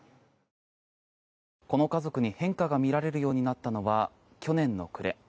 この家族に変化が見られるようになったのは去年の暮れ。